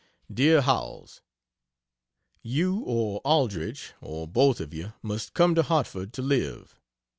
DEAR HOWELLS, You or Aldrich or both of you must come to Hartford to live.